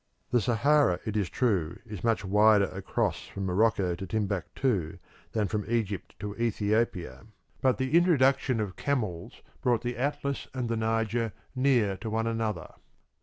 The Sahara, it is true, is much wider across from Morocco to Timbuktu than from Egypt to Ethiopia, but the introduction of camels brought the Atlas and the Niger near to one another.